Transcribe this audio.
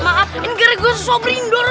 maaf ini gara gara gue sama somri yang dorong